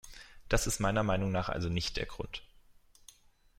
Das ist meiner Meinung nach also nicht der Grund.